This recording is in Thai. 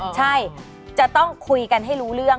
ใช่จะต้องคุยกันให้รู้เรื่อง